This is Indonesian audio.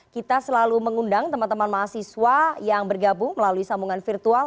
kita selalu mengundang teman teman mahasiswa yang bergabung melalui sambungan virtual